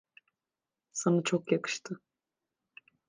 Sana çok yakıştı.